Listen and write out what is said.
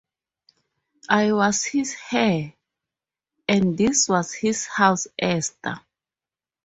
I was his heir, and this was his house, Esther.